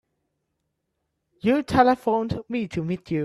You telephoned me to meet you.